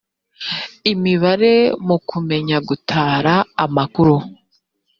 imibare mu kumenya gutara amakuru